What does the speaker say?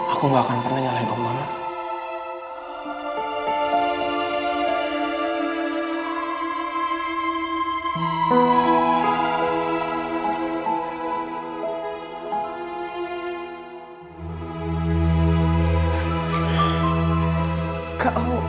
aku gak akan pernah nyalahin allah mak